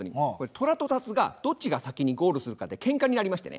トラとタツがどっちが先にゴールするかでケンカになりましてね。